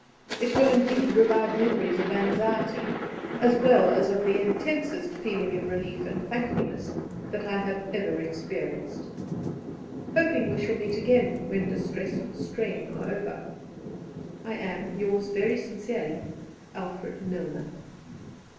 It will indeed revive memories of anxiety, as well as of the intensest feeling of relief and thankfulness that I have ever experienced. "Hoping we shall meet again when 'distress and strain are over,' "I am, "Yours very sincerely, "ALFRED MILNER."